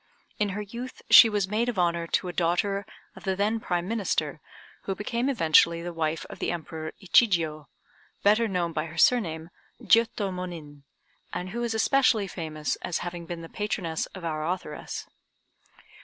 In her youth she was maid of honor to a daughter of the then prime minister, who became eventually the wife of the Emperor Ichijiô, better known by her surname, Jiôtô Monin, and who is especially famous as having been the patroness of our authoress.